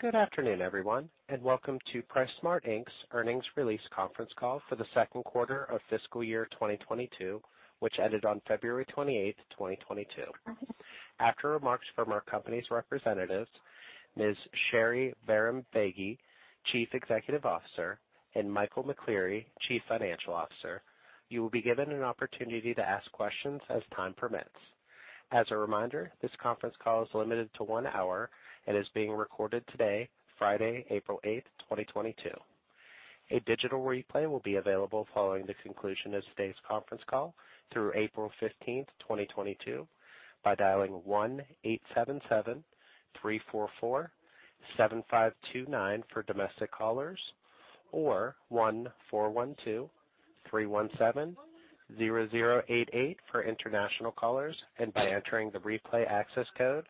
Good afternoon, everyone, and welcome to PriceSmart, Inc.'s earnings release conference call for the second quarter of fiscal year 2022, which ended on February 28th, 2022. After remarks from our company's representatives, Ms. Sherry Bahrambeygui, Chief Executive Officer, and Michael McCleary, Chief Financial Officer, you will be given an opportunity to ask questions as time permits. As a reminder, this conference call is limited to one hour and is being recorded today, Friday, April 8th, 2022. A digital replay will be available following the conclusion of today's conference call through April 15th, 2022, by dialing 1-877-344-7529 for domestic callers, or 1-412-317-0088 for international callers and by entering the replay access code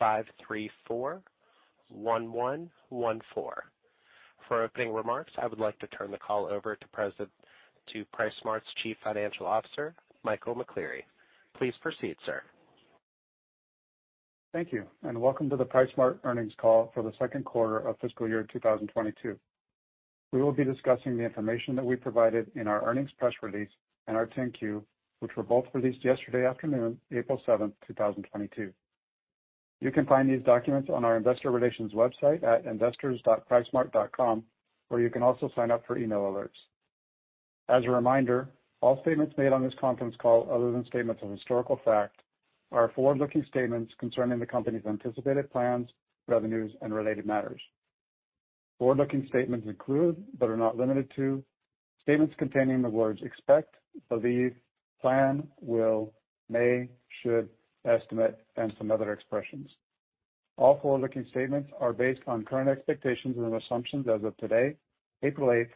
5341114. For opening remarks, I would like to turn the call over to PriceSmart's Chief Financial Officer, Michael McCleary. Please proceed, sir. Thank you, and welcome to the PriceSmart earnings call for the second quarter of fiscal year 2022. We will be discussing the information that we provided in our earnings press release and our 10-Q, which were both released yesterday afternoon, April 7th, 2022. You can find these documents on our investor relations website at investors.pricesmart.com, where you can also sign up for email alerts. As a reminder, all statements made on this conference call, other than statements of historical fact, are forward-looking statements concerning the company's anticipated plans, revenues, and related matters. Forward-looking statements include, but are not limited to, statements containing the words expect, believe, plan, will, may, should, estimate, and some other expressions. All forward-looking statements are based on current expectations and assumptions as of today, April 8th,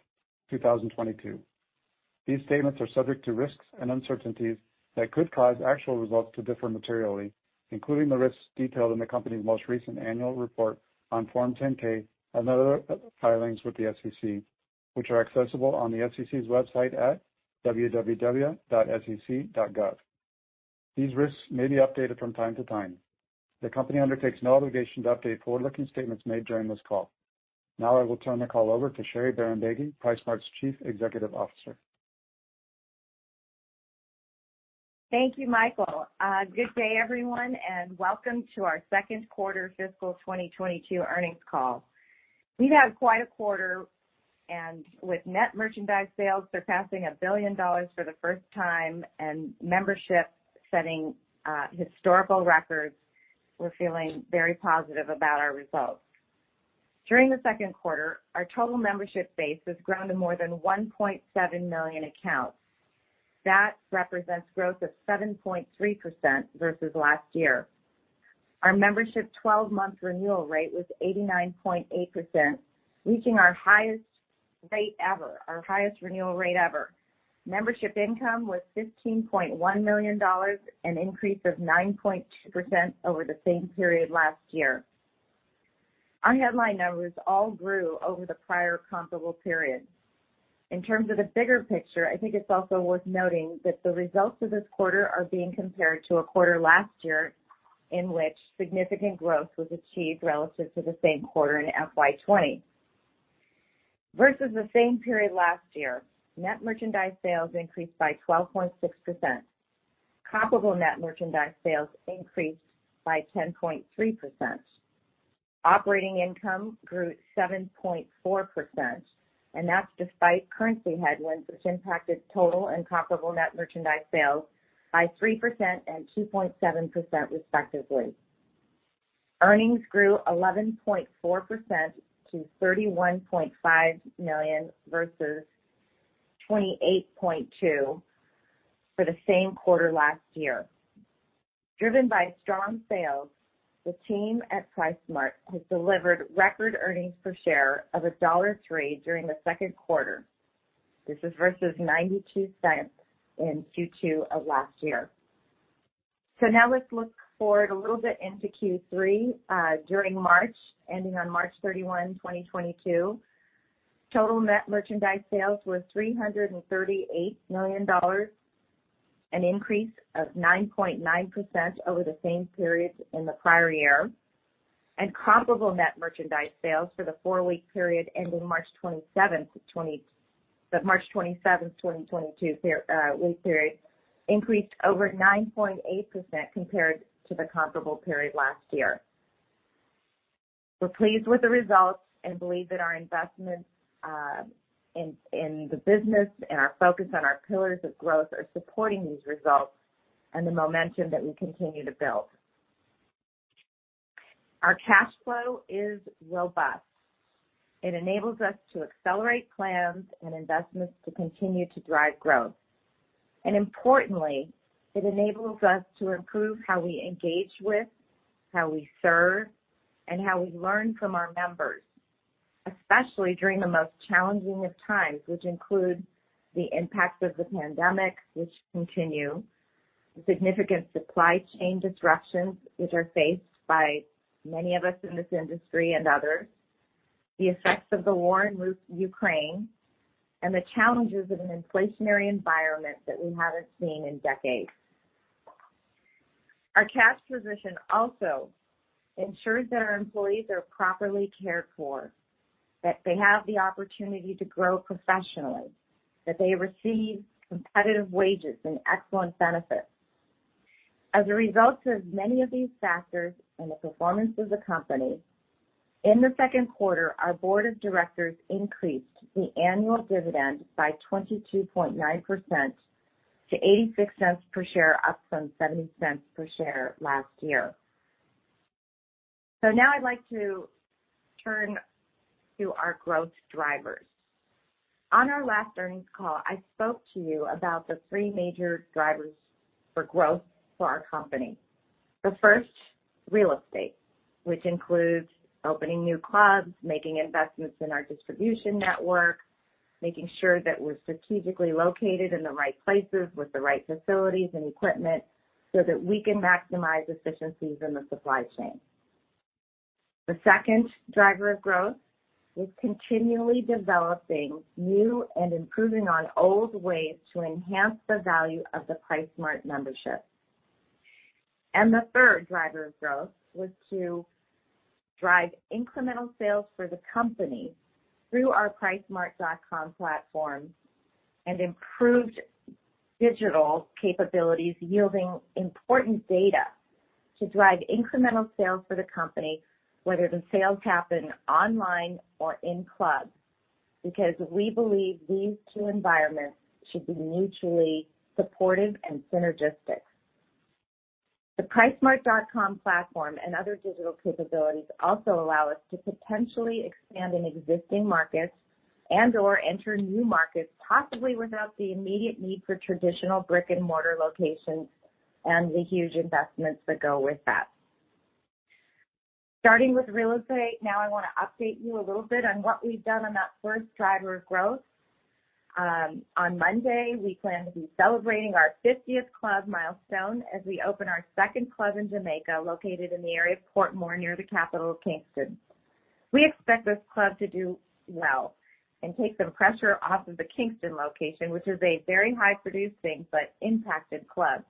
2022. These statements are subject to risks and uncertainties that could cause actual results to differ materially, including the risks detailed in the company's most recent annual report on Form 10-K and other filings with the SEC, which are accessible on the SEC's website at www.sec.gov. These risks may be updated from time to time. The company undertakes no obligation to update forward-looking statements made during this call. Now I will turn the call over to Sherry Bahrambeygui, PriceSmart's Chief Executive Officer. Thank you, Michael. Good day, everyone, and welcome to our second quarter fiscal 2022 earnings call. We've had quite a quarter, and with net merchandise sales surpassing $1 billion for the first time and membership setting historical records, we're feeling very positive about our results. During the second quarter, our total membership base has grown to more than 1.7 million accounts. That represents growth of 7.3% versus last year. Our membership 12-month renewal rate was 89.8%, reaching our highest rate ever, our highest renewal rate ever. Membership income was $15.1 million, an increase of 9.2% over the same period last year. Our headline numbers all grew over the prior comparable period. In terms of the bigger picture, I think it's also worth noting that the results of this quarter are being compared to a quarter last year in which significant growth was achieved relative to the same quarter in FY 2020. Versus the same period last year, net merchandise sales increased by 12.6%. Comparable net merchandise sales increased by 10.3%. Operating income grew 7.4%, and that's despite currency headwinds, which impacted total and comparable net merchandise sales by 3% and 2.7%, respectively. Earnings grew 11.4% to $31.5 million versus $28.2 million for the same quarter last year. Driven by strong sales, the team at PriceSmart has delivered record earnings per share of $1.03 during the second quarter. This is versus $0.92 in Q2 of last year. Now let's look forward a little bit into Q3. During March, ending on March 31, 2022, total net merchandise sales were $338 million, an increase of 9.9% over the same period in the prior year. Comparable net merchandise sales for the four-week period ending March 27th, 2022, increased over 9.8% compared to the comparable period last year. We're pleased with the results and believe that our investments in the business and our focus on our pillars of growth are supporting these results and the momentum that we continue to build. Our cash flow is robust. It enables us to accelerate plans and investments to continue to drive growth. Importantly, it enables us to improve how we engage with, how we serve, and how we learn from our members, especially during the most challenging of times, which include the impacts of the pandemic, which continue, the significant supply chain disruptions, which are faced by many of us in this industry and others. The effects of the war in Ukraine and the challenges of an inflationary environment that we haven't seen in decades. Our cash position also ensures that our employees are properly cared for, that they have the opportunity to grow professionally, that they receive competitive wages and excellent benefits. As a result of many of these factors and the performance of the company, in the second quarter, our board of directors increased the annual dividend by 22.9% to $0.86 per share, up from $0.70 per share last year. Now I'd like to turn to our growth drivers. On our last earnings call, I spoke to you about the three major drivers for growth for our company. The first, real estate, which includes opening new clubs, making investments in our distribution network, making sure that we're strategically located in the right places with the right facilities and equipment so that we can maximize efficiencies in the supply chain. The second driver of growth is continually developing new and improving on old ways to enhance the value of the PriceSmart membership. The third driver of growth was to drive incremental sales for the company through our pricesmart.com platform and improved digital capabilities, yielding important data to drive incremental sales for the company, whether the sales happen online or in club, because we believe these two environments should be mutually supportive and synergistic. The pricesmart.com platform and other digital capabilities also allow us to potentially expand in existing markets and/or enter new markets, possibly without the immediate need for traditional brick-and-mortar locations and the huge investments that go with that. Starting with real estate, now I want to update you a little bit on what we've done on that first driver of growth. On Monday, we plan to be celebrating our 50th club milestone as we open our second club in Jamaica, located in the area of Portmore, near the capital of Kingston. We expect this club to do well and take some pressure off of the Kingston location, which is a very high producing but impacted club.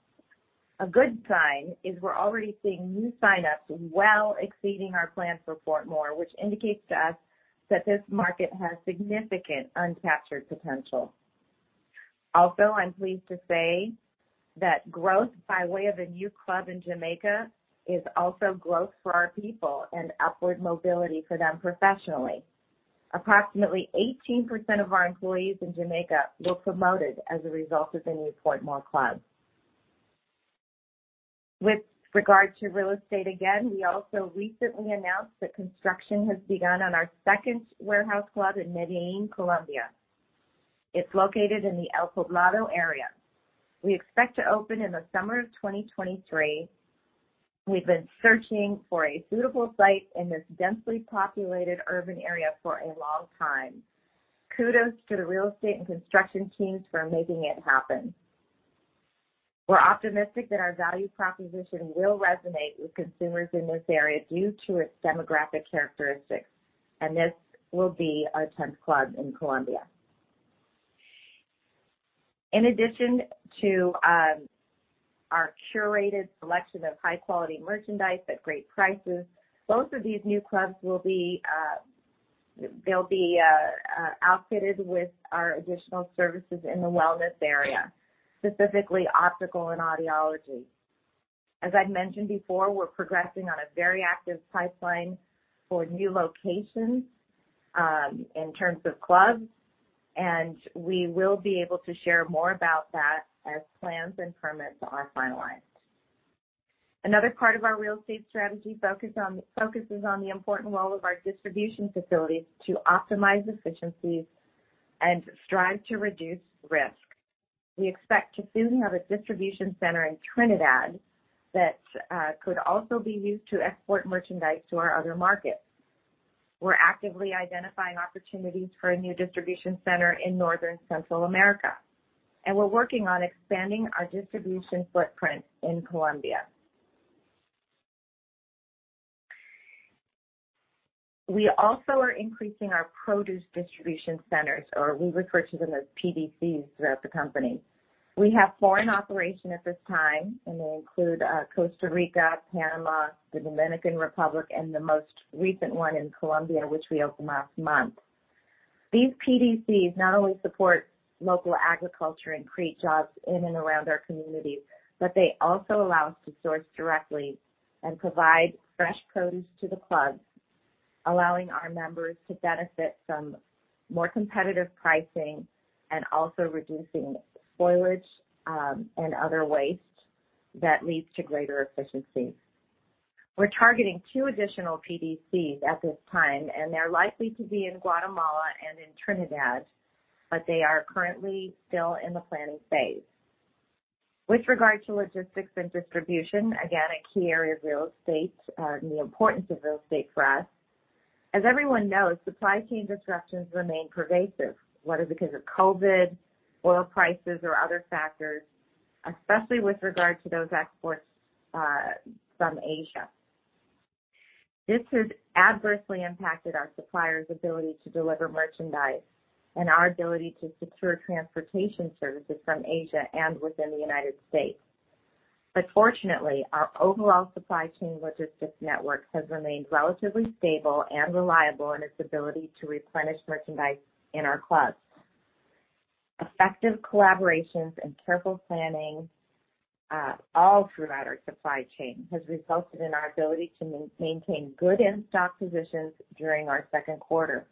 A good sign is we're already seeing new signups well exceeding our plans for Portmore, which indicates to us that this market has significant untapped captured potential. Also, I'm pleased to say that growth by way of a new club in Jamaica is also growth for our people and upward mobility for them professionally. Approximately 18% of our employees in Jamaica were promoted as a result of the new Portmore club. With regard to real estate, again, we also recently announced that construction has begun on our second warehouse club in Medellín, Colombia. It's located in the El Poblado area. We expect to open in the summer of 2023. We've been searching for a suitable site in this densely populated urban area for a long time. Kudos to the real estate and construction teams for making it happen. We're optimistic that our value proposition will resonate with consumers in this area due to its demographic characteristics, and this will be our 10th club in Colombia. In addition to our curated selection of high-quality merchandise at great prices, both of these new clubs will be outfitted with our additional services in the wellness area, specifically optical and audiology. As I'd mentioned before, we're progressing on a very active pipeline for new locations in terms of clubs, and we will be able to share more about that as plans and permits are finalized. Another part of our real estate strategy focus is on the important role of our distribution facilities to optimize efficiencies and strive to reduce risk. We expect to soon have a distribution center in Trinidad that could also be used to export merchandise to our other markets. We're actively identifying opportunities for a new distribution center in northern Central America, and we're working on expanding our distribution footprint in Colombia. We also are increasing our produce distribution centers, or we refer to them as PDCs throughout the company. We have four in operation at this time, and they include, Costa Rica, Panama, the Dominican Republic, and the most recent one in Colombia, which we opened last month. These PDCs not only support local agriculture and create jobs in and around our communities, but they also allow us to source directly and provide fresh produce to the clubs, allowing our members to benefit from more competitive pricing and also reducing spoilage, and other waste that leads to greater efficiencies. We're targeting two additional PDCs at this time, and they're likely to be in Guatemala and in Trinidad, but they are currently still in the planning phase. With regard to logistics and distribution, again, a key area of real estate, and the importance of real estate for us, as everyone knows, supply chain disruptions remain pervasive, whether because of COVID, oil prices or other factors. Especially with regard to those exports from Asia. This has adversely impacted our suppliers' ability to deliver merchandise and our ability to secure transportation services from Asia and within the United States. Fortunately, our overall supply chain logistics network has remained relatively stable and reliable in its ability to replenish merchandise in our clubs. Effective collaborations and careful planning all throughout our supply chain has resulted in our ability to maintain good in-stock positions during our second quarter.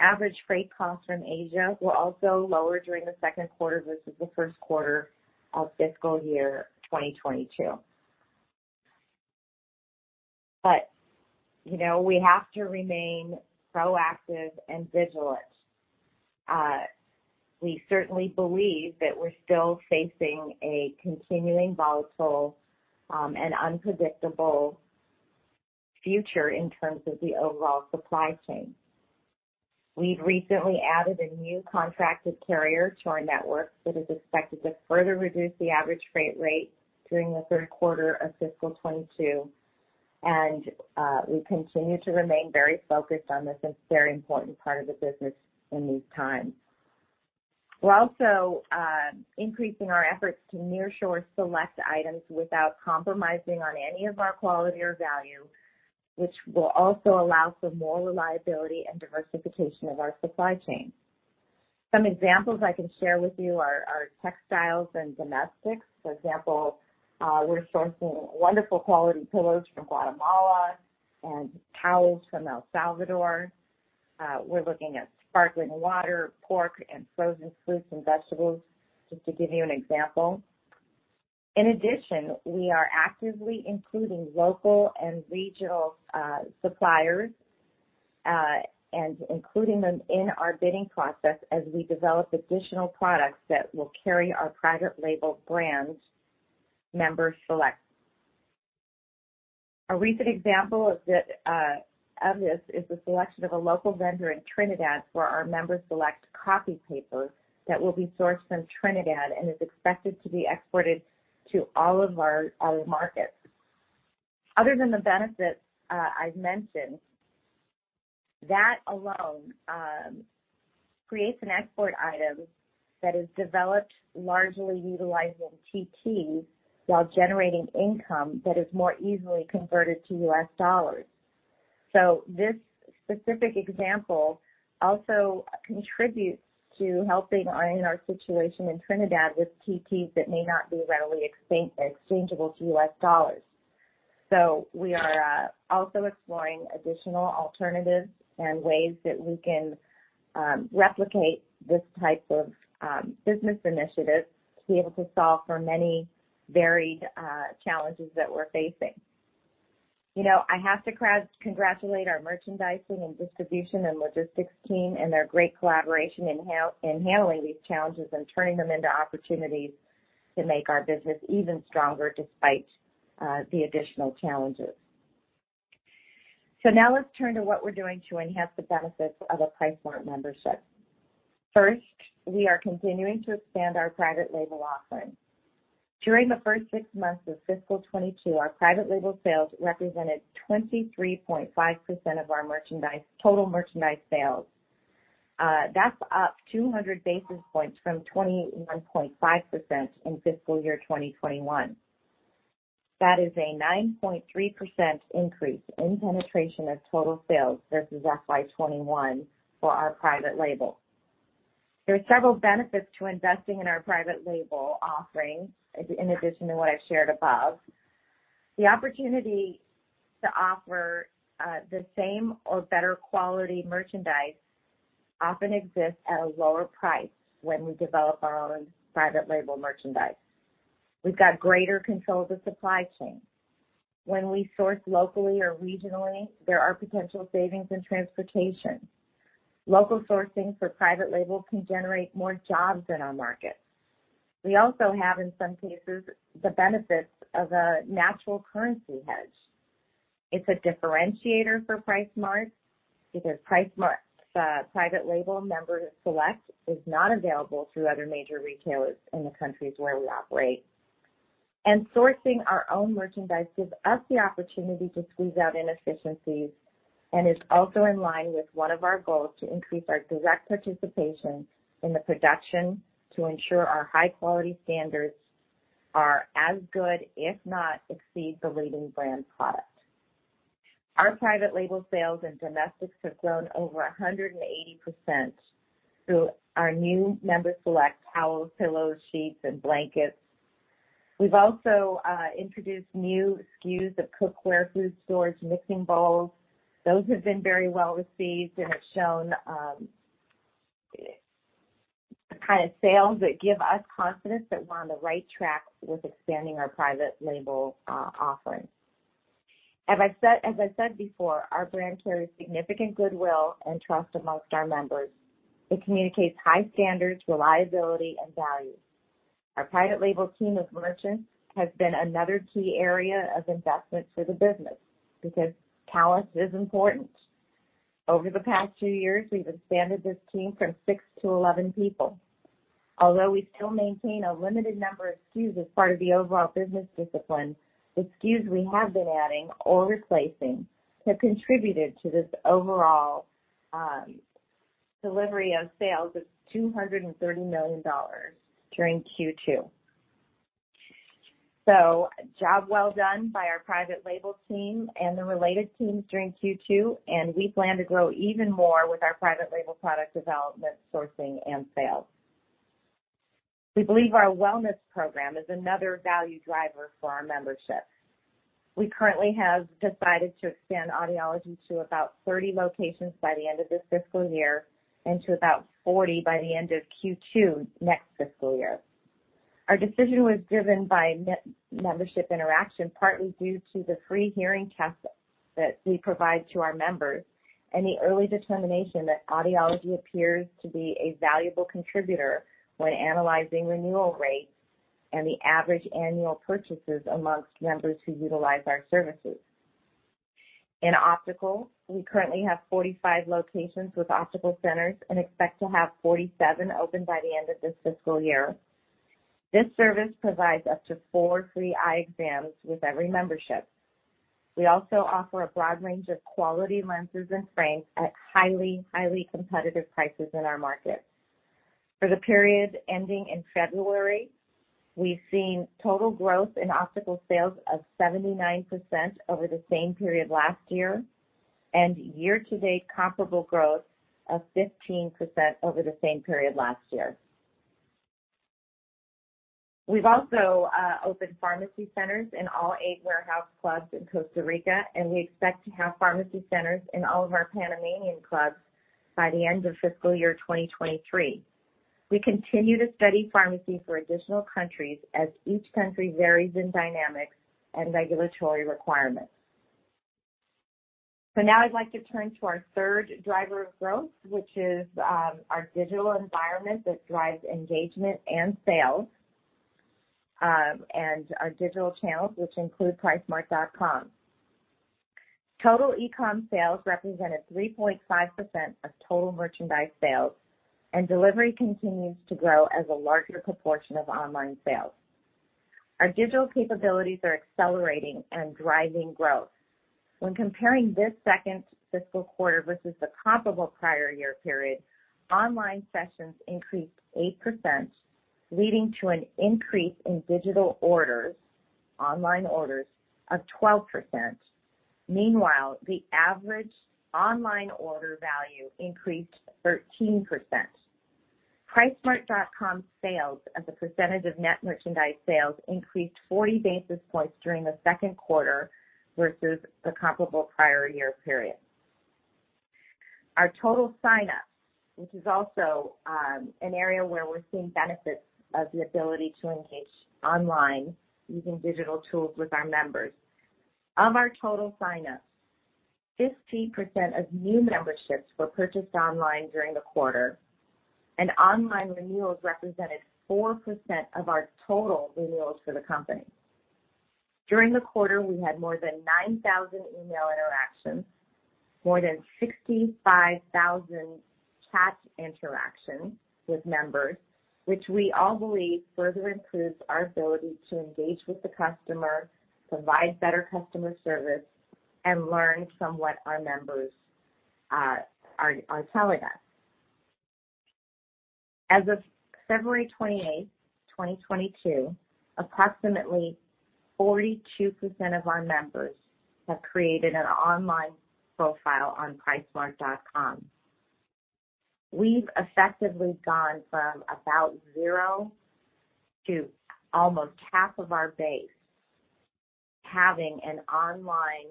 Average freight costs from Asia were also lower during the second quarter versus the first quarter of fiscal year 2022. You know, we have to remain proactive and vigilant. We certainly believe that we're still facing a continuing volatile, and unpredictable future in terms of the overall supply chain. We've recently added a new contracted carrier to our network that is expected to further reduce the average freight rate during the third quarter of fiscal 2022, and, we continue to remain very focused on this, it's a very important part of the business in these times. We're also increasing our efforts to nearshore select items without compromising on any of our quality or value, which will also allow for more reliability and diversification of our supply chain. Some examples I can share with you are textiles and domestics. For example, we're sourcing wonderful quality pillows from Guatemala and towels from El Salvador. We're looking at sparkling water, pork, and frozen fruits and vegetables, just to give you an example. In addition, we are actively including local and regional suppliers and including them in our bidding process as we develop additional products that will carry our private label brand, Member's Selection. A recent example of this is the selection of a local vendor in Trinidad for our Member's Selection copy papers that will be sourced from Trinidad and is expected to be exported to all of our markets. Other than the benefits I've mentioned, that alone creates an export item that is developed largely utilizing TTs while generating income that is more easily converted to U.S. dollars. This specific example also contributes to helping iron out our situation in Trinidad with TTs that may not be readily exchangeable to U.S. dollars. We are also exploring additional alternatives and ways that we can replicate this type of business initiative to be able to solve for many varied challenges that we're facing. You know, I have to congratulate our merchandising and distribution and logistics team and their great collaboration in handling these challenges and turning them into opportunities to make our business even stronger despite the additional challenges. Now let's turn to what we're doing to enhance the benefits of a PriceSmart membership. First, we are continuing to expand our private label offering. During the first six months of fiscal 2022, our private label sales represented 23.5% of our merchandise, total merchandise sales. That's up 200 basis points from 21.5% in fiscal year 2021. That is a 9.3% increase in penetration of total sales versus FY 2021 for our private label. There are several benefits to investing in our private label offering in addition to what I've shared above. The opportunity to offer the same or better quality merchandise often exists at a lower price when we develop our own private label merchandise. We've got greater control of the supply chain. When we source locally or regionally, there are potential savings in transportation. Local sourcing for private label can generate more jobs in our markets. We also have, in some cases, the benefits of a natural currency hedge. It's a differentiator for PriceSmart because PriceSmart's private label Member's Selection is not available through other major retailers in the countries where we operate. Sourcing our own merchandise gives us the opportunity to squeeze out inefficiencies and is also in line with one of our goals to increase our direct participation in the production to ensure our high quality standards are as good, if not exceed, the leading brand product. Our private label sales and domestics have grown over 180% through our new Member's Selection towels, pillows, sheets, and blankets. We've also introduced new SKUs of cookware, food storage, mixing bowls. Those have been very well received, and have shown the kind of sales that give us confidence that we're on the right track with expanding our private label offering. As I said before, our brand carries significant goodwill and trust amongst our members. It communicates high standards, reliability, and value. Our private label team of merchants has been another key area of investment for the business because talent is important. Over the past two years, we've expanded this team from 6-11 people. Although we still maintain a limited number of SKUs as part of the overall business discipline, the SKUs we have been adding or replacing have contributed to this overall delivery of sales of $230 million during Q2. Job well done by our private label team and the related teams during Q2, and we plan to grow even more with our private label product development, sourcing, and sales. We believe our wellness program is another value driver for our membership. We currently have decided to expand audiology to about 30 locations by the end of this fiscal year and to about 40 by the end of Q2 next fiscal year. Our decision was driven by membership interaction, partly due to the free hearing tests that we provide to our members, and the early determination that audiology appears to be a valuable contributor when analyzing renewal rates and the average annual purchases among members who utilize our services. In optical, we currently have 45 locations with optical centers and expect to have 47 open by the end of this fiscal year. This service provides up to four free eye exams with every membership. We also offer a broad range of quality lenses and frames at highly competitive prices in our market. For the period ending in February, we've seen total growth in optical sales of 79% over the same period last year, and year-to-date comparable growth of 15% over the same period last year. We've also opened pharmacy centers in all eight warehouse clubs in Costa Rica, and we expect to have pharmacy centers in all of our Panamanian clubs by the end of fiscal year 2023. We continue to study pharmacy for additional countries as each country varies in dynamics and regulatory requirements. Now I'd like to turn to our third driver of growth, which is our digital environment that drives engagement and sales, and our digital channels, which include pricesmart.com. Total e-com sales represented 3.5% of total merchandise sales, and delivery continues to grow as a larger proportion of online sales. Our digital capabilities are accelerating and driving growth. When comparing this second fiscal quarter versus the comparable prior year period, online sessions increased 8%, leading to an increase in digital orders, online orders of 12%. Meanwhile, the average online order value increased 13%. Pricesmart.com sales as a percentage of net merchandise sales increased 40 basis points during the second quarter versus the comparable prior year period. Our total sign-ups, which is also an area where we're seeing benefits of the ability to engage online using digital tools with our members. Of our total sign-ups, 15% of new memberships were purchased online during the quarter, and online renewals represented 4% of our total renewals for the company. During the quarter, we had more than 9,000 email interactions, more than 65,000 chat interactions with members, which we all believe further improves our ability to engage with the customer, provide better customer service, and learn from what our members are telling us. As of February 28, 2022, approximately 42% of our members have created an online profile on pricesmart.com. We've effectively gone from about zero to almost half of our base having an online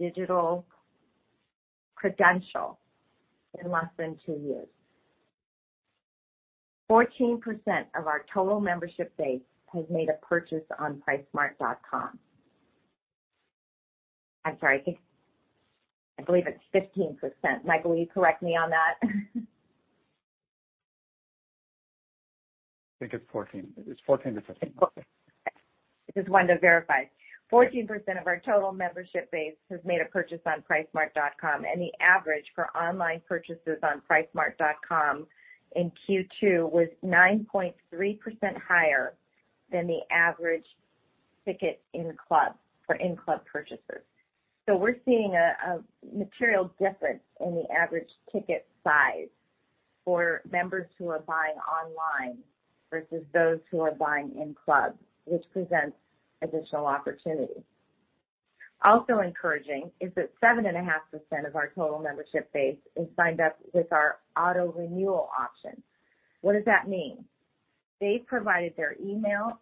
digital credential in less than two years. 14% of our total membership base has made a purchase on pricesmart.com. I'm sorry, I think I believe it's 15%. Michael, will you correct me on that? I think it's 14. It's 14-15. Okay. Just wanted to verify. 14% of our total membership base has made a purchase on pricesmart.com, and the average for online purchases on pricesmart.com in Q2 was 9.3% higher than the average ticket in club for in-club purchasers. We're seeing a material difference in the average ticket size for members who are buying online versus those who are buying in club, which presents additional opportunities. Also encouraging is that 7.5% of our total membership base is signed up with our auto-renewal option. What does that mean? They provided their email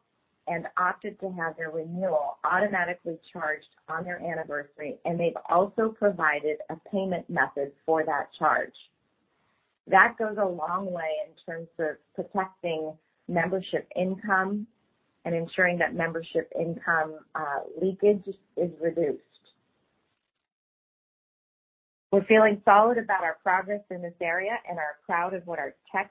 and opted to have their renewal automatically charged on their anniversary, and they've also provided a payment method for that charge. That goes a long way in terms of protecting membership income and ensuring that membership income leakage is reduced. We're feeling solid about our progress in this area and are proud of what our tech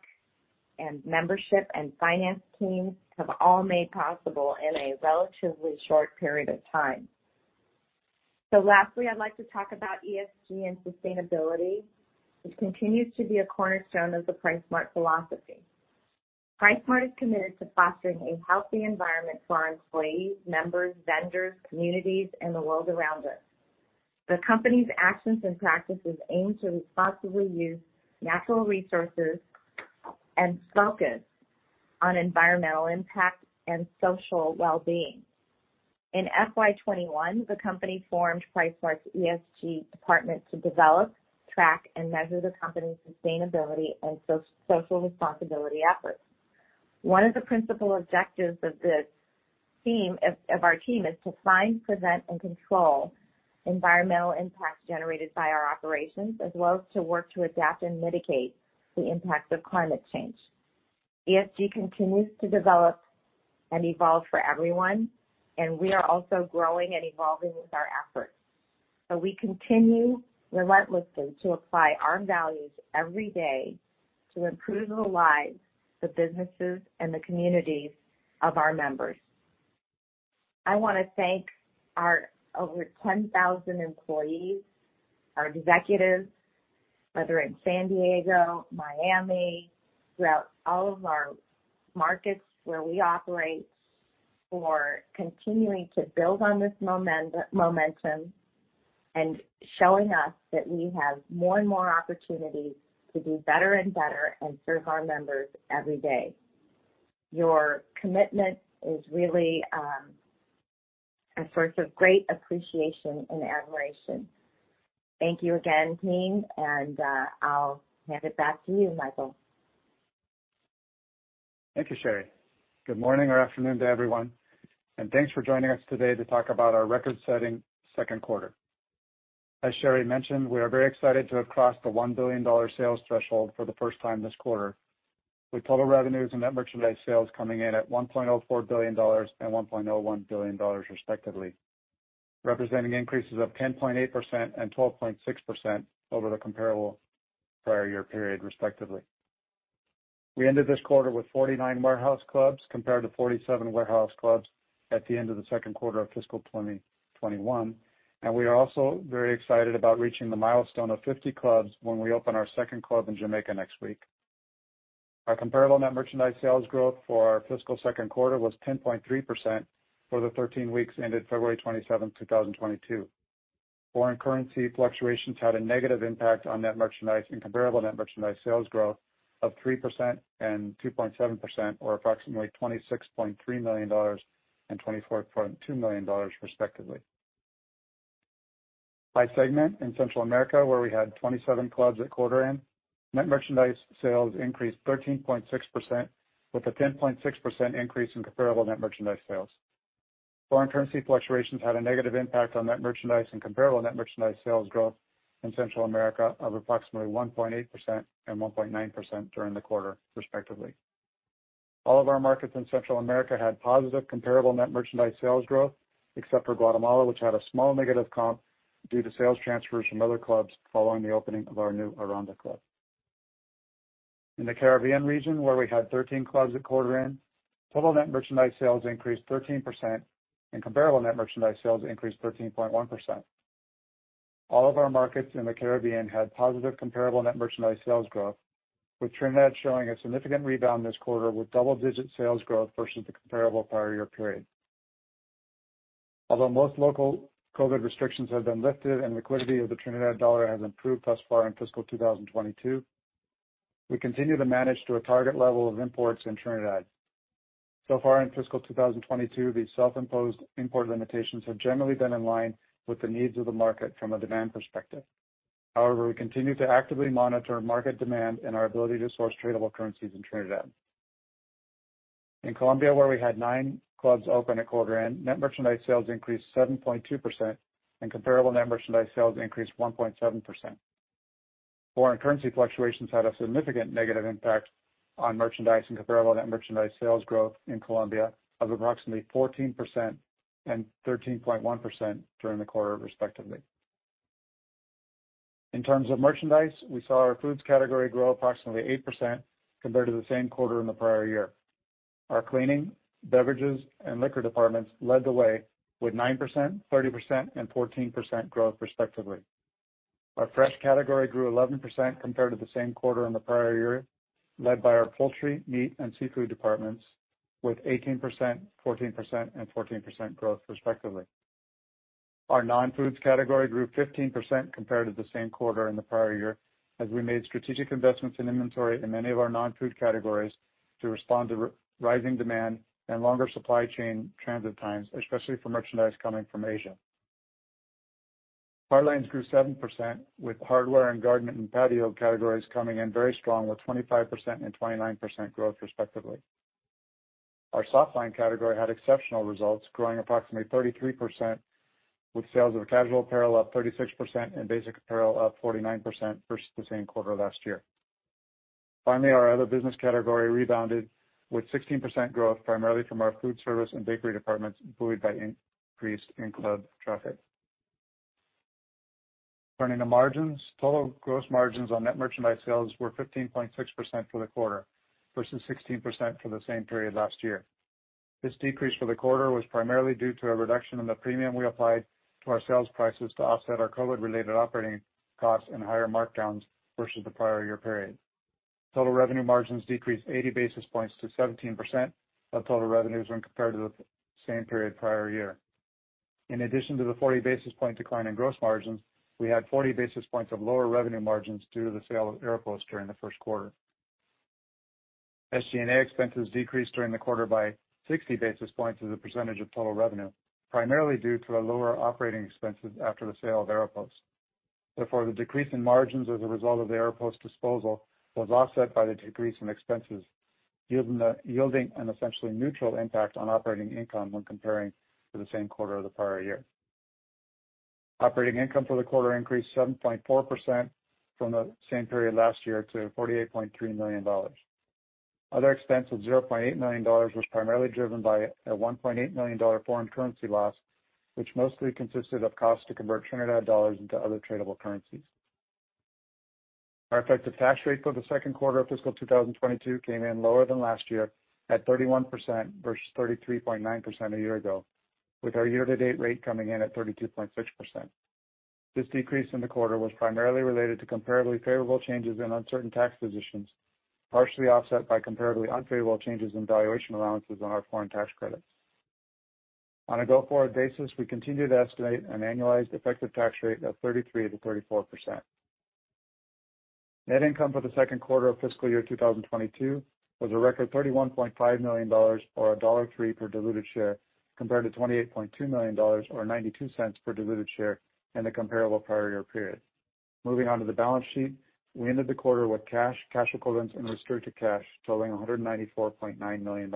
and membership and finance teams have all made possible in a relatively short period of time. Lastly, I'd like to talk about ESG and sustainability, which continues to be a cornerstone of the PriceSmart philosophy. PriceSmart is committed to fostering a healthy environment for our employees, members, vendors, communities, and the world around us. The company's actions and practices aim to responsibly use natural resources and focus on environmental impact and social well-being. In FY 2021, the company formed PriceSmart's ESG department to develop, track, and measure the company's sustainability and social responsibility efforts. One of the principal objectives of our team is to find, prevent, and control environmental impacts generated by our operations, as well as to work to adapt and mitigate the impacts of climate change. ESG continues to develop and evolve for everyone, and we are also growing and evolving with our efforts. We continue relentlessly to apply our values every day to improve the lives, the businesses, and the communities of our members. I wanna thank our over 10,000 employees, our executives, whether in San Diego, Miami, throughout all of our markets where we operate, for continuing to build on this momentum and showing us that we have more and more opportunities to do better and better and serve our members every day. Your commitment is really a source of great appreciation and admiration. Thank you again, team, and I'll hand it back to you, Michael. Thank you, Sherry. Good morning or afternoon to everyone, and thanks for joining us today to talk about our record-setting second quarter. As Sherry mentioned, we are very excited to have crossed the $1 billion sales threshold for the first time this quarter, with total revenues and net merchandise sales coming in at $1.04 billion and $1.01 billion respectively, representing increases of 10.8% and 12.6% over the comparable prior year period, respectively. We ended this quarter with 49 warehouse clubs compared to 47 warehouse clubs at the end of the second quarter of fiscal 2021, and we are also very excited about reaching the milestone of 50 clubs when we open our second club in Jamaica next week. Our comparable net merchandise sales growth for our fiscal second quarter was 10.3% for the 13 weeks ended February 27, 2022. Foreign currency fluctuations had a negative impact on net merchandise and comparable net merchandise sales growth of 3% and 2.7% or approximately $26.3 million and $24.2 million, respectively. By segment, in Central America, where we had 27 clubs at quarter end, net merchandise sales increased 13.6% with a 10.6% increase in comparable net merchandise sales. Foreign currency fluctuations had a negative impact on net merchandise and comparable net merchandise sales growth in Central America of approximately 1.8% and 1.9% during the quarter, respectively. All of our markets in Central America had positive comparable net merchandise sales growth except for Guatemala, which had a small negative comp due to sales transfers from other clubs following the opening of our new Aranda club. In the Caribbean region, where we had 13 clubs at quarter end, total net merchandise sales increased 13% and comparable net merchandise sales increased 13.1%. All of our markets in the Caribbean had positive comparable net merchandise sales growth, with Trinidad showing a significant rebound this quarter with double-digit sales growth versus the comparable prior year period. Although most local COVID restrictions have been lifted and liquidity of the Trinidad dollar has improved thus far in fiscal 2022, we continue to manage to a target level of imports in Trinidad. So far in fiscal 2022, these self-imposed import limitations have generally been in line with the needs of the market from a demand perspective. However, we continue to actively monitor market demand and our ability to source tradable currencies in Trinidad. In Colombia, where we had nine clubs open at quarter end, net merchandise sales increased 7.2% and comparable net merchandise sales increased 1.7%. Foreign currency fluctuations had a significant negative impact on merchandise and comparable net merchandise sales growth in Colombia of approximately 14% and 13.1% during the quarter, respectively. In terms of merchandise, we saw our foods category grow approximately 8% compared to the same quarter in the prior year. Our cleaning, beverages, and liquor departments led the way with 9%, 30%, and 14% growth, respectively. Our fresh category grew 11% compared to the same quarter in the prior year, led by our poultry, meat, and seafood departments with 18%, 14%, and 14% growth, respectively. Our non-foods category grew 15% compared to the same quarter in the prior year as we made strategic investments in inventory in many of our non-food categories to respond to rising demand and longer supply chain transit times, especially for merchandise coming from Asia. Hardlines grew 7%, with hardware and garden and patio categories coming in very strong with 25% and 29% growth, respectively. Our softline category had exceptional results, growing approximately 33% with sales of casual apparel up 36% and basic apparel up 49% versus the same quarter last year. Finally, our other business category rebounded with 16% growth primarily from our food service and bakery departments, buoyed by increased in-club traffic. Turning to margins. Total gross margins on net merchandise sales were 15.6% for the quarter versus 16% for the same period last year. This decrease for the quarter was primarily due to a reduction in the premium we applied to our sales prices to offset our COVID related operating costs and higher markdowns versus the prior year period. Total revenue margins decreased 80 basis points to 17% of total revenues when compared to the same period prior year. In addition to the 40 basis point decline in gross margins, we had 40 basis points of lower revenue margins due to the sale of Aeropost during the first quarter. SG&A expenses decreased during the quarter by 60 basis points as a percentage of total revenue, primarily due to a lower operating expenses after the sale of Aeropost. Therefore, the decrease in margins as a result of the Aeropost disposal was offset by the decrease in expenses, yielding an essentially neutral impact on operating income when comparing to the same quarter of the prior year. Operating income for the quarter increased 7.4% from the same period last year to $48.3 million. Other expense of $0.8 million was primarily driven by a $1.8 million dollar foreign currency loss, which mostly consisted of costs to convert Trinidad dollars into other tradable currencies. Our effective tax rate for the second quarter of fiscal 2022 came in lower than last year at 31% versus 33.9% a year ago, with our year-to-date rate coming in at 32.6%. This decrease in the quarter was primarily related to comparably favorable changes in uncertain tax positions, partially offset by comparably unfavorable changes in valuation allowances on our foreign tax credits. On a go-forward basis, we continue to estimate an annualized effective tax rate of 33%-34%. Net income for the second quarter of fiscal year 2022 was a record $31.5 million, or $1.03 per diluted share, compared to $28.2 million or $0.92 per diluted share in the comparable prior year period. Moving on to the balance sheet. We ended the quarter with cash equivalents and restricted cash totaling $194.9 million.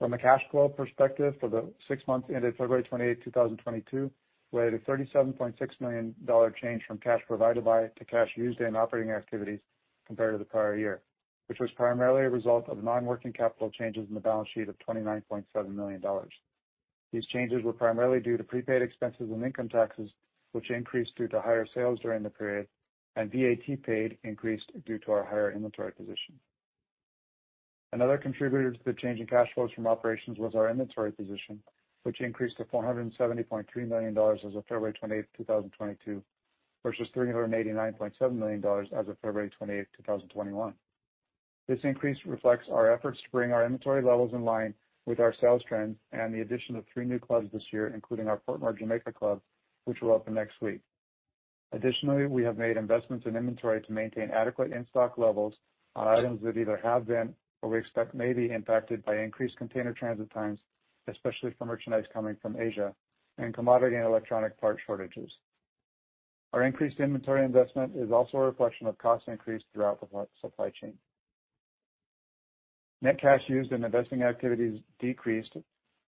From a cash flow perspective, for the six months ended February 28, 2022, we had a $37.6 million dollar change from cash provided by to cash used in operating activities compared to the prior year, which was primarily a result of non-working capital changes in the balance sheet of $29.7 million. These changes were primarily due to prepaid expenses and income taxes, which increased due to higher sales during the period, and VAT paid increased due to our higher inventory position. Another contributor to the change in cash flows from operations was our inventory position, which increased to $470.3 million as of February 28, 2022, versus $389.7 million as of February 28, 2021. This increase reflects our efforts to bring our inventory levels in line with our sales trends and the addition of three new clubs this year, including our Portmore, Jamaica club, which will open next week. Additionally, we have made investments in inventory to maintain adequate in-stock levels on items that either have been or we expect may be impacted by increased container transit times, especially for merchandise coming from Asia and commodity and electronic parts shortages. Our increased inventory investment is also a reflection of cost increase throughout the supply chain. Net cash used in investing activities decreased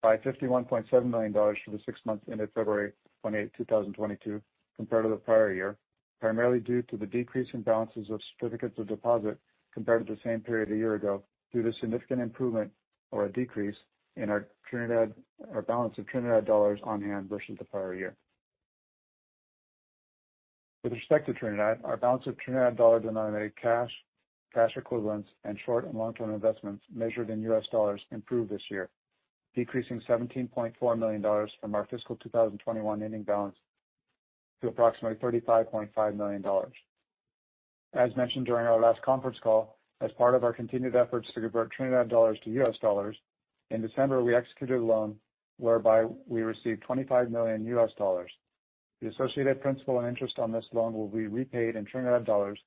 by $51.7 million for the six months ended February 28, 2022 compared to the prior year, primarily due to the decrease in balances of certificates of deposit compared to the same period a year ago, due to significant improvement or a decrease in our balance of Trinidad dollars on hand versus the prior year. With respect to Trinidad, our balance of Trinidad dollar-denominated cash equivalents and short- and long-term investments measured in U.S. dollars improved this year, decreasing $17.4 million from our fiscal 2021 ending balance to approximately $35.5 million. As mentioned during our last conference call, as part of our continued efforts to convert Trinidad dollars to U.S. dollars, in December, we executed a loan whereby we received $25 million. The associated principal and interest on this loan will be repaid in Trinidad dollars,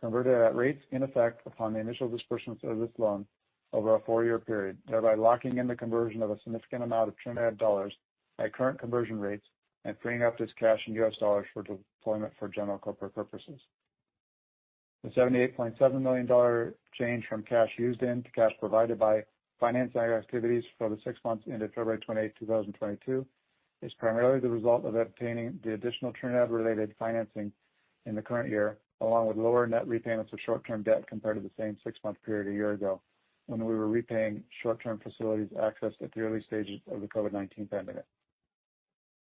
converted at rates in effect upon the initial disbursements of this loan over a four-year period, thereby locking in the conversion of a significant amount of Trinidad dollars at current conversion rates and freeing up this cash in U.S. dollars for deployment for general corporate purposes. The $78.7 million change from cash used in to cash provided by financing activities for the six months ended February 28, 2022 is primarily the result of obtaining the additional Trinidad-related financing in the current year, along with lower net repayments of short-term debt compared to the same six-month period a year ago when we were repaying short-term facilities accessed at the early stages of the COVID-19 pandemic.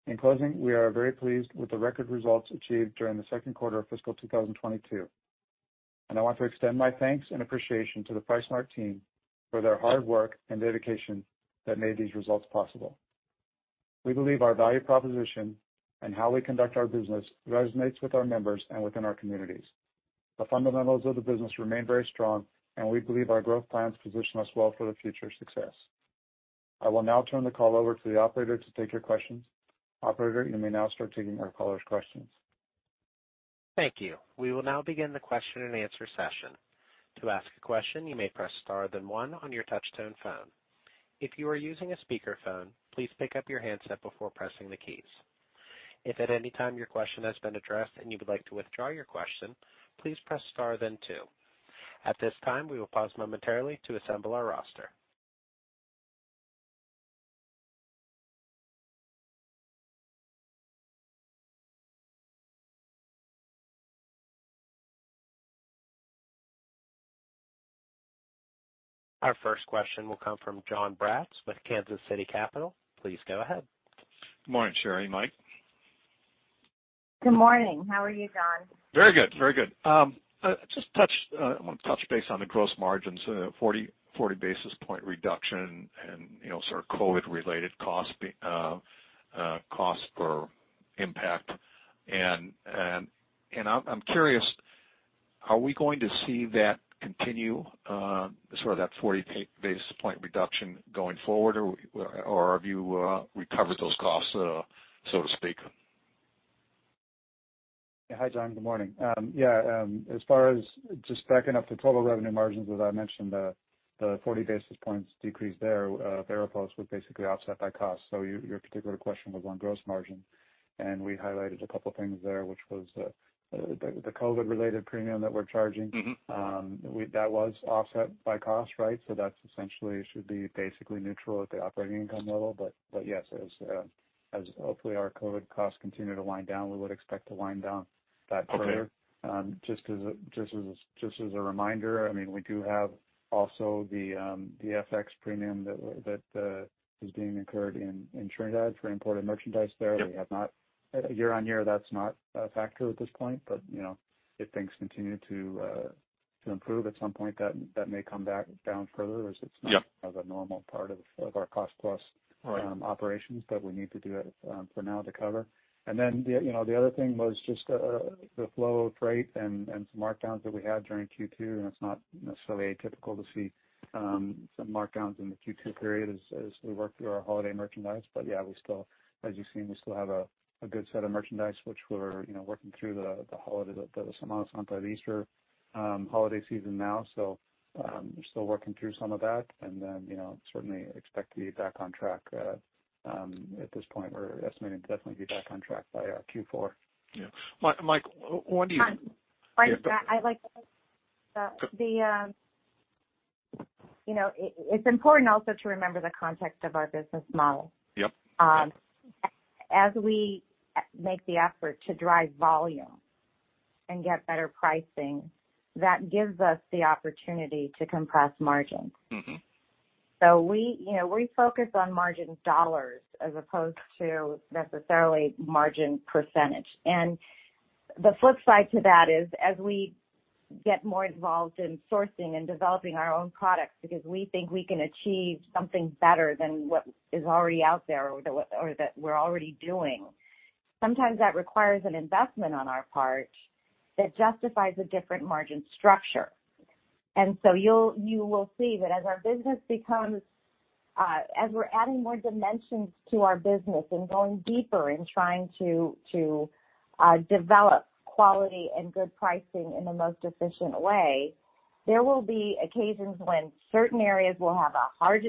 In closing, we are very pleased with the record results achieved during the second quarter of fiscal 2022, and I want to extend my thanks and appreciation to the PriceSmart team for their hard work and dedication that made these results possible. We believe our value proposition and how we conduct our business resonates with our members and within our communities. The fundamentals of the business remain very strong and we believe our growth plans position us well for the future success. I will now turn the call over to the operator to take your questions. Operator, you may now start taking our callers' questions. Thank you. We will now begin the question and answer session. To ask a question, you may press star then one on your touchtone phone. If you are using a speakerphone, please pick up your handset before pressing the keys. If at any time your question has been addressed and you would like to withdraw your question, please press star then two. At this time, we will pause momentarily to assemble our roster. Our first question will come from Jon Braatz with Kansas City Capital. Please go ahead. Good morning, Sherry, Mike. Good morning. How are you, Jon? Very good. I wanna touch base on the gross margins, 40 basis point reduction and, you know, sort of COVID related costs, cost per impact. I'm curious, are we going to see that continue, sort of that 40 basis point reduction going forward, or have you recovered those costs, so to speak? Hi, Jon Braatz. Good morning. As far as just backing up the total revenue margins, as I mentioned, the 40 basis points decrease there, Aeropost would basically offset that cost. Your particular question was on gross margin, and we highlighted a couple things there, which was the COVID related premium that we're charging. Mm-hmm. That was offset by cost, right? That's essentially should be basically neutral at the operating income level. But yes, as hopefully our COVID costs continue to wind down, we would expect to wind down that further. Okay. Just as a reminder, I mean, we do have also the FX premium that is being incurred in Trinidad for imported merchandise there. Yep. Year on year that's not a factor at this point, but, you know, if things continue to improve at some point, that may come back down further- Yep. -as the normal part of our cost plus- Right. -operations, but we need to do it for now to cover. You know, the other thing was just the flow of freight and some markdowns that we had during Q2, and it's not necessarily atypical to see some markdowns in the Q2 period as we work through our holiday merchandise. Yeah, we still, as you've seen, we still have a good set of merchandise which we're, you know, working through the holiday, the Semana Santa, the Easter holiday season now. We're still working through some of that, and then, you know, certainly expect to be back on track. At this point, we're estimating to definitely be back on track by Q4. Yeah. Mike, when do you- Jon. Yeah. You know, it's important also to remember the context of our business model. Yep. As we make the effort to drive volume and get better pricing, that gives us the opportunity to compress margins. Mm-hmm. We, you know, we focus on margin dollars as opposed to necessarily margin percentage. The flip side to that is as we get more involved in sourcing and developing our own products because we think we can achieve something better than what is already out there or that we're already doing, sometimes that requires an investment on our part that justifies a different margin structure. You'll see that as our business becomes more dimensions to our business and going deeper in trying to develop quality and good pricing in the most efficient way, there will be occasions when certain areas will have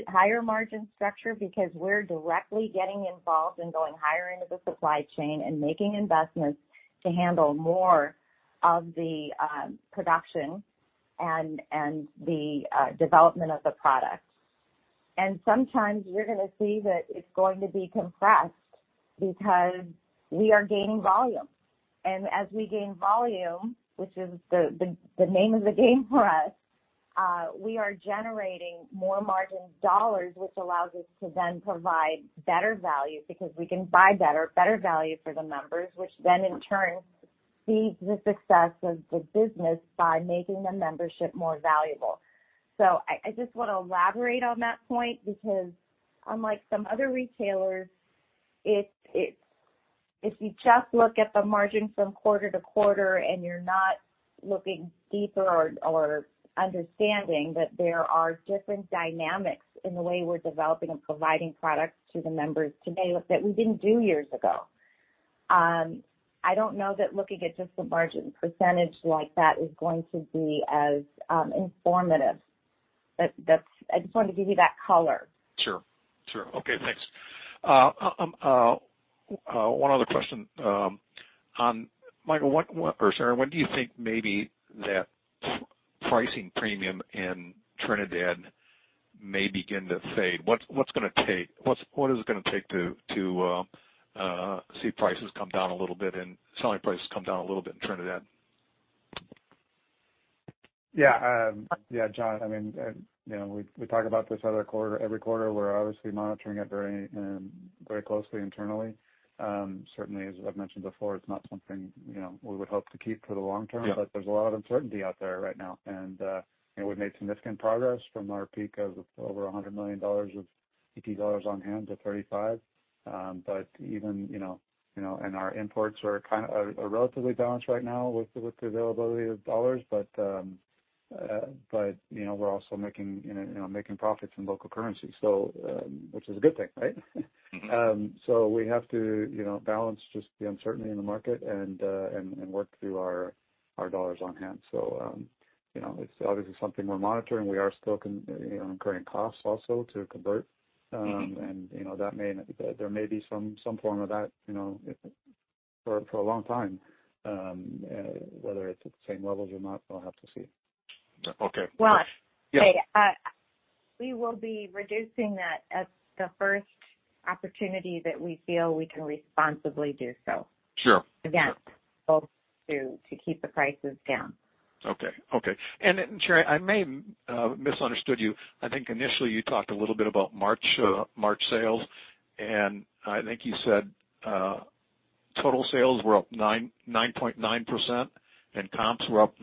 higher margin structure because we're directly getting involved in going higher into the supply chain and making investments to handle more of the production and the development of the product. Sometimes you're gonna see that it's going to be compressed because we are gaining volume. As we gain volume, which is the name of the game for us, we are generating more margin dollars, which allows us to then provide better value because we can buy better value for the members, which then in turn feeds the success of the business by making the membership more valuable. I just wanna elaborate on that point because unlike some other retailers, it's if you just look at the margin from quarter to quarter and you're not looking deeper or understanding that there are different dynamics in the way we're developing and providing products to the members today that we didn't do years ago, I don't know that looking at just the margin percentage like that is going to be as informative. I just wanted to give you that color. Sure. Okay, thanks. One other question. Michael, what or Sherry, when do you think maybe that pricing premium in Trinidad may begin to fade? What's gonna take? What is it gonna take to see prices come down a little bit and selling prices come down a little bit in Trinidad? Yeah. Yeah, Jon, I mean, you know, we talk about this other quarter every quarter. We're obviously monitoring it very very closely internally. Certainly as I've mentioned before, it's not something, you know, we would hope to keep for the long term. Yeah. There's a lot of uncertainty out there right now, and you know, we've made significant progress from our peak of over TTD 100 million on hand to TTD 35 million. Even you know, our imports are relatively balanced right now with the availability of dollars. We're also making profits in local currency, so which is a good thing, right? Mm-hmm. We have to, you know, balance just the uncertainty in the market and work through our dollars on hand. You know, it's obviously something we're monitoring. We are still, you know, incurring costs also to convert. Mm-hmm. You know, there may be some form of that, you know, for a long time. Whether it's at the same levels or not, we'll have to see. Yeah. Okay. Well. Yeah. Okay. We will be reducing that at the first opportunity that we feel we can responsibly do so. Sure. Again. Both to keep the prices down. Okay. Sherry, I may have misunderstood you. I think initially you talked a little bit about March sales, and I think you said total sales were up 9.9% and comps were up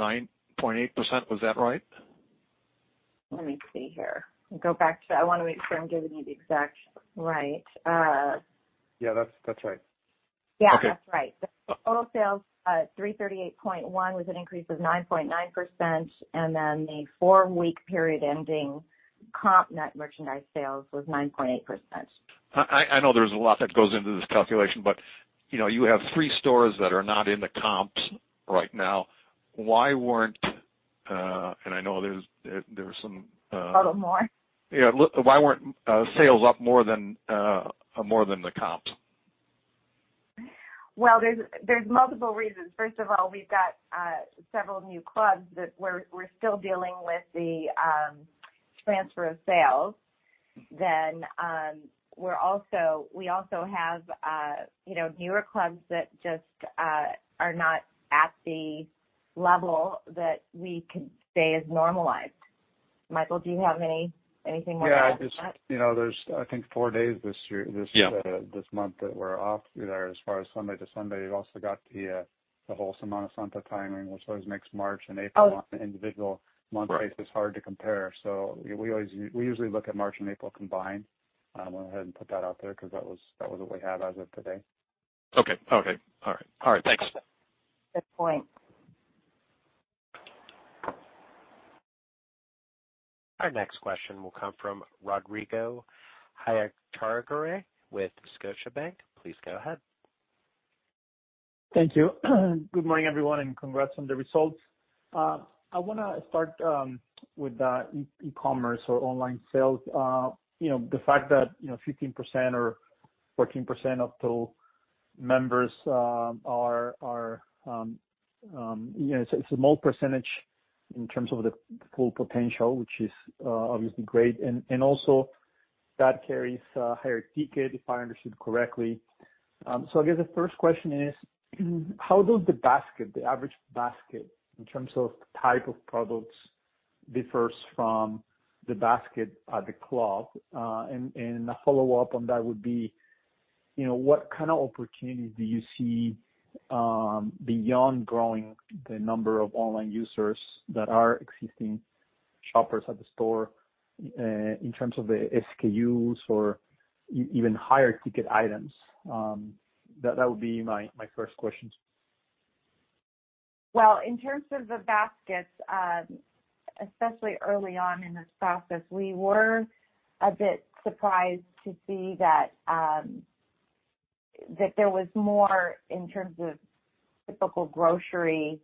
9.8%. Was that right? Let me see here. I wanna make sure I'm giving you the exact, right. Yeah, that's right. Yeah. Okay. That's right. The total sales $338.1 was an increase of 9.9%, and then the four-week period ending comp net merchandise sales was 9.8%. I know there's a lot that goes into this calculation, but you know you have three stores that are not in the comps right now. I know there's some- A little more. Yeah. Look, why weren't sales up more than the comps? Well, there's multiple reasons. First of all, we've got several new clubs that we're still dealing with the transfer of sales. We also have, you know, newer clubs that just are not at the level that we could say is normalized. Michael, do you have anything more to add to that? Yeah, I just you know, there's I think four days this year. Yeah This month that we're off there. As far as Sunday to Sunday, you've also got the Semana Santa timing, which always makes March and April- Oh. On an individual month basis, hard to compare. We usually look at March and April combined. We went ahead and put that out there 'cause that was what we had as of today. Okay. All right, thanks. Good point. Our next question will come from Rodrigo Echagaray with Scotiabank. Please go ahead. Thank you. Good morning, everyone, and congrats on the results. I wanna start with the e-commerce or online sales. You know, the fact that, you know, 15% or 14% of total members are, you know, it's a small percentage in terms of the full potential, which is obviously great, and also that carries a higher ticket, if I understood correctly. I guess the first question is, how does the basket, the average basket in terms of type of products differs from the basket at the club? And the follow-up on that would be, you know, what kind of opportunity do you see beyond growing the number of online users that are existing shoppers at the store in terms of the SKUs or even higher ticket items? That would be my first questions. Well, in terms of the baskets, especially early on in this process, we were a bit surprised to see that there was more in terms of typical grocery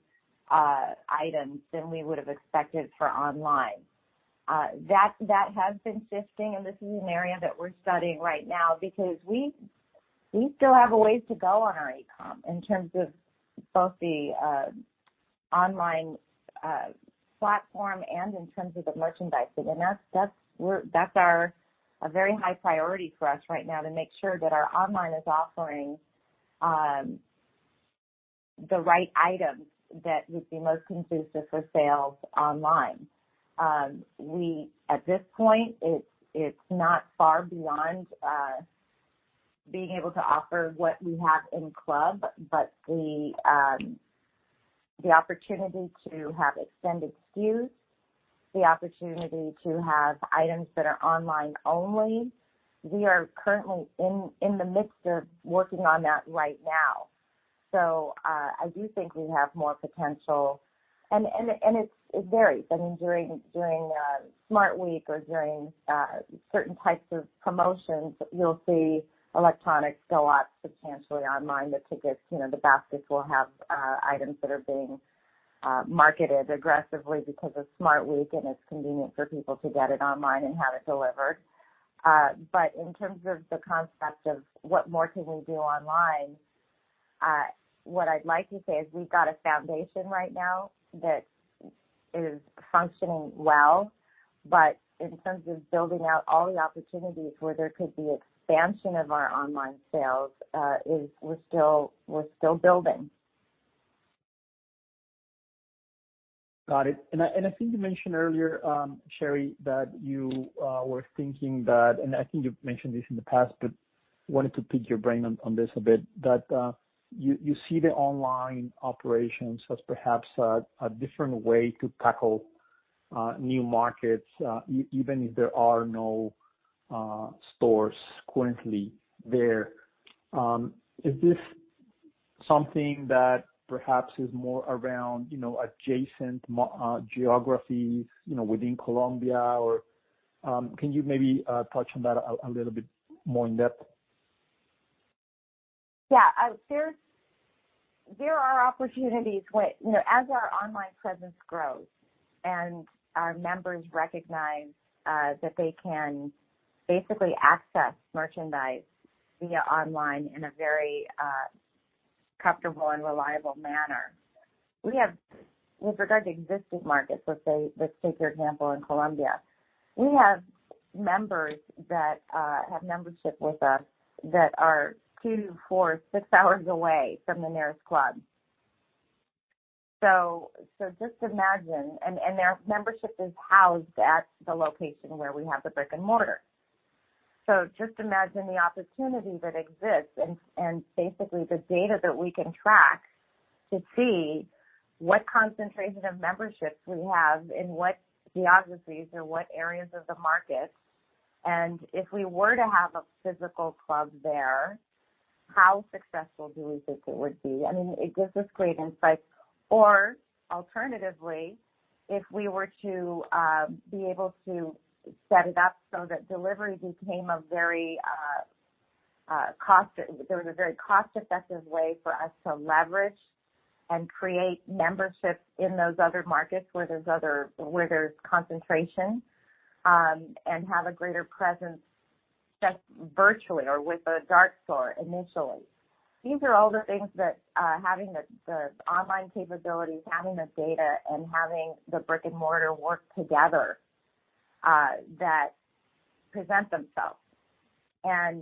items than we would have expected for online. That has been shifting, and this is an area that we're studying right now because we still have a ways to go on our e-com in terms of both the online platform and in terms of the merchandising. That's our a very high priority for us right now to make sure that our online is offering the right items that would be most conducive for sales online. We, at this point, it's not far beyond being able to offer what we have in club, but the opportunity to have extended SKUs, the opportunity to have items that are online only. We are currently in the midst of working on that right now. I do think we have more potential. It varies. I mean, during Smart Week or during certain types of promotions, you'll see electronics go up substantially online. The tickets, you know, the baskets will have items that are being marketed aggressively because of Smart Week, and it's convenient for people to get it online and have it delivered. In terms of the concept of what more can we do online, what I'd like to say is we've got a foundation right now that is functioning well. In terms of building out all the opportunities where there could be expansion of our online sales, we're still building. Got it. I think you mentioned earlier, Sherry, that you were thinking that, and I think you've mentioned this in the past, but wanted to pick your brain on this a bit, that you see the online operations as perhaps a different way to tackle new markets, even if there are no stores currently there. Is this something that perhaps is more around, you know, adjacent geographies, you know, within Colombia? Or can you maybe touch on that a little bit more in depth? There are opportunities with, you know, as our online presence grows and our members recognize that they can basically access merchandise via online in a very comfortable and reliable manner. With regard to existing markets, let's say, let's take your example in Colombia. We have members that have membership with us that are 2, 4, 6 hours away from the nearest club. Just imagine their membership is housed at the location where we have the brick-and-mortar. Just imagine the opportunity that exists and basically the data that we can track to see what concentration of memberships we have in what geographies or what areas of the market. If we were to have a physical club there, how successful do we think it would be? I mean, it gives us great insight. Alternatively, if we were to be able to set it up so that there was a very cost-effective way for us to leverage and create memberships in those other markets where there's concentration, and have a greater presence just virtually or with a dark store initially. These are all the things that having the online capabilities, having the data, and having the brick-and-mortar work together that present themselves.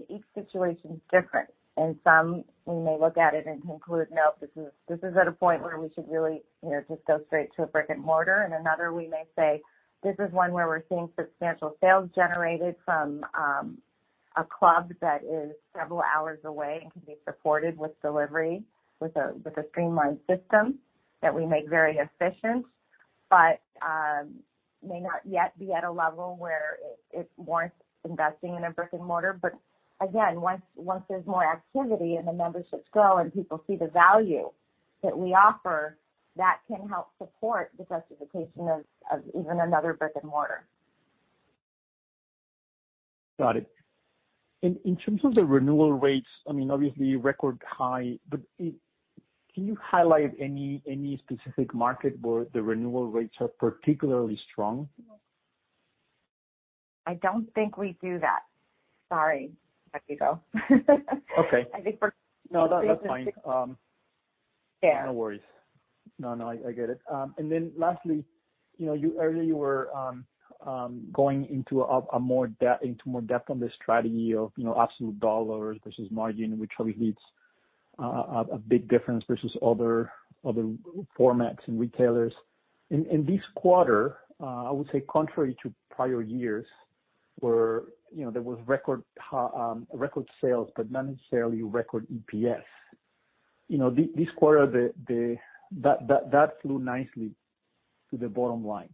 Each situation is different. In some, we may look at it and conclude, nope, this is at a point where we should really, you know, just go straight to a brick-and-mortar. In another, we may say, this is one where we're seeing substantial sales generated from a club that is several hours away and can be supported with delivery, with a streamlined system that we make very efficient, but may not yet be at a level where it warrants investing in a brick-and-mortar. Again, once there's more activity and the memberships grow and people see the value that we offer, that can help support the justification of even another brick-and-mortar. Got it. In terms of the renewal rates, I mean, obviously record high. Can you highlight any specific market where the renewal rates are particularly strong? I don't think we do that. Sorry, Rodrigo. Okay. I think. No, no, that's fine. Yeah. No worries. No, I get it. Then lastly, you know, you earlier were going into more depth on the strategy of, you know, absolute dollars versus margin, which obviously it's a big difference versus other formats and retailers. In this quarter, I would say contrary to prior years where, you know, there was record sales but not necessarily record EPS. You know, this quarter, that flew nicely to the bottom line.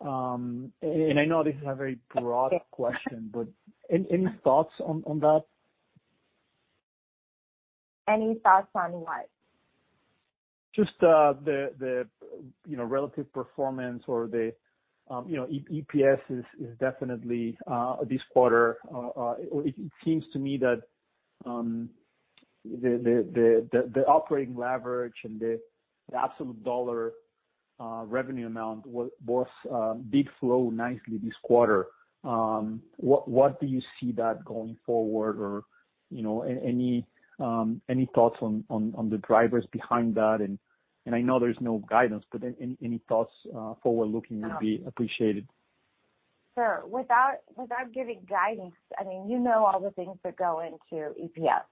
I know this is a very broad question, but any thoughts on that? Any thoughts on what? Just the you know relative performance or the you know EPS is definitely this quarter. It seems to me that the operating leverage and the absolute dollar revenue amount did flow nicely this quarter. What do you see that going forward or you know any thoughts on the drivers behind that? I know there's no guidance, but any thoughts forward-looking would be appreciated. Sure. Without giving guidance, I mean, you know, all the things that go into EPS.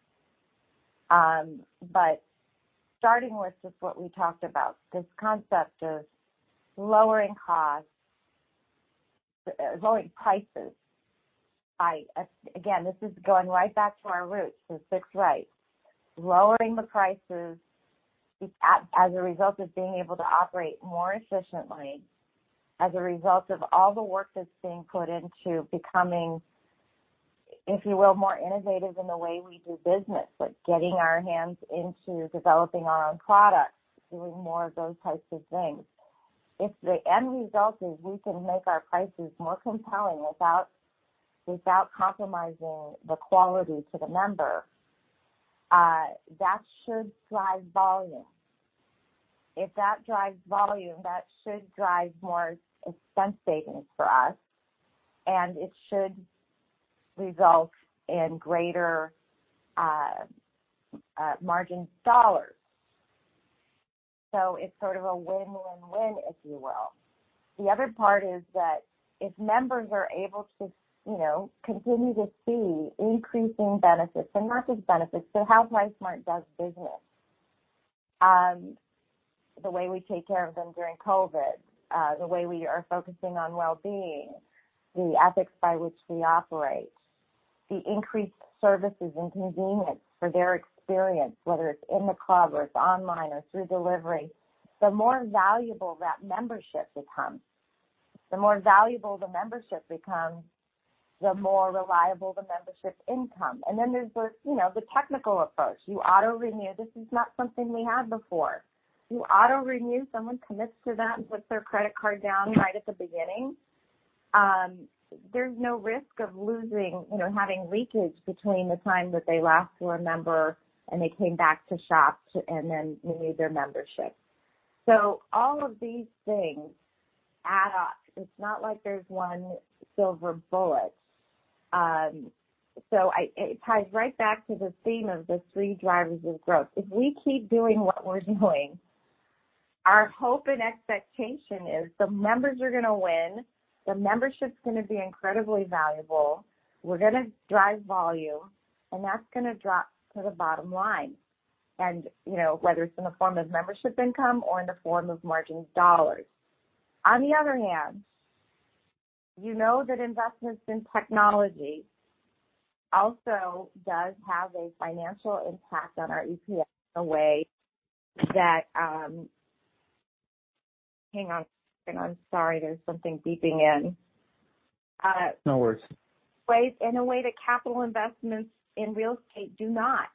Starting with just what we talked about, this concept of lowering costs, lowering prices. I again, this is going right back to our roots, the six rights, lowering the prices as a result of being able to operate more efficiently as a result of all the work that's being put into becoming, if you will, more innovative in the way we do business, like getting our hands into developing our own products, doing more of those types of things. If the end result is we can make our prices more compelling without compromising the quality to the member, that should drive volume. If that drives volume, that should drive more expense savings for us, and it should result in greater margin dollars. It's sort of a win-win-win, if you will. The other part is that if members are able to, you know, continue to see increasing benefits and not just benefits, so how PriceSmart does business, the way we take care of them during COVID, the way we are focusing on well-being, the ethics by which we operate, the increased services and convenience for their experience, whether it's in the club or it's online or through delivery, the more valuable that membership becomes. The more valuable the membership becomes, the more reliable the membership income. Then there's the, you know, the technical approach. You auto-renew. This is not something we had before. You auto-renew, someone commits to that, puts their credit card down right at the beginning. There's no risk of losing, you know, having leakage between the time that they last were a member and they came back to shop and then renewed their membership. All of these things add up. It's not like there's one silver bullet. It ties right back to the theme of the three drivers of growth. If we keep doing what we're doing, our hope and expectation is the members are gonna win, the membership's gonna be incredibly valuable, we're gonna drive volume, and that's gonna drop to the bottom line. You know, whether it's in the form of membership income or in the form of margin dollars. On the other hand, you know that investments in technology also does have a financial impact on our EPS in a way that, hang on. I'm sorry, there's something beeping in. No worries. In a way that capital investments in real estate do not.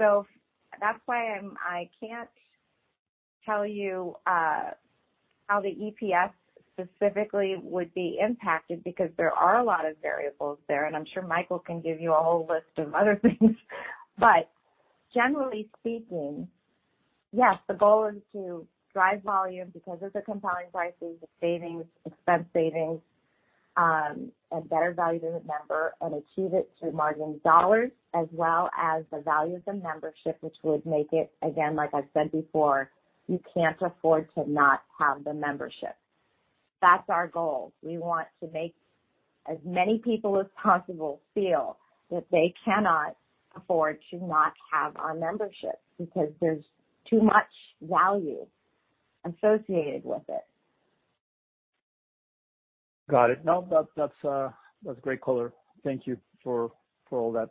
That's why I can't tell you how the EPS specifically would be impacted because there are a lot of variables there, and I'm sure Michael can give you a whole list of other things. Generally speaking, yes, the goal is to drive volume because of the compelling pricing, the savings, expense savings, a better value to the member and achieve it through margin dollars as well as the value of the membership, which would make it, again, like I've said before, you can't afford to not have the membership. That's our goal. We want to make as many people as possible feel that they cannot afford to not have our membership because there's too much value associated with it. Got it. No, that's a great color. Thank you for all that.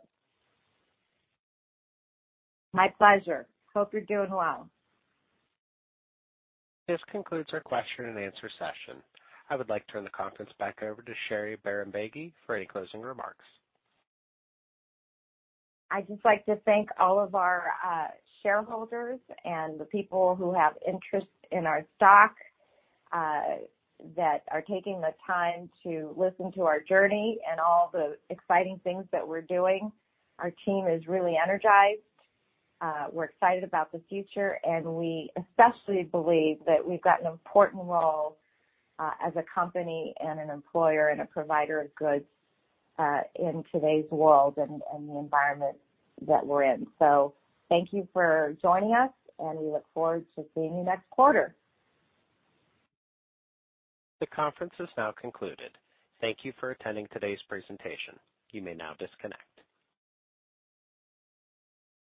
My pleasure. Hope you're doing well. This concludes our question and answer session. I would like to turn the conference back over to Sherry Bahrambeygui for any closing remarks. I'd just like to thank all of our shareholders and the people who have interest in our stock that are taking the time to listen to our journey and all the exciting things that we're doing. Our team is really energized. We're excited about the future, and we especially believe that we've got an important role as a company and an employer and a provider of goods in today's world and the environment that we're in. Thank you for joining us, and we look forward to seeing you next quarter. The conference is now concluded. Thank you for attending today's presentation. You may now disconnect.